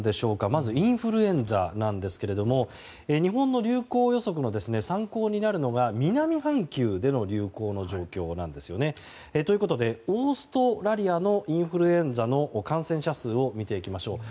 まず、インフルエンザなんですが日本の流行予測の参考になるのが南半球での流行の状況なんですよね。ということで、オーストラリアのインフルエンザの感染者数を見ていきましょう。